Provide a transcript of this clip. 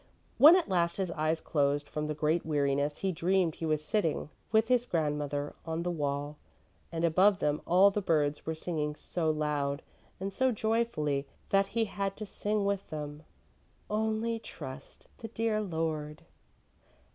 When at last his eyes closed from great weariness he dreamed he was sitting with his grandmother on the wall and above them all the birds were singing so loud and so joyfully that he had to sing with them: "Only trust the dear Lord!"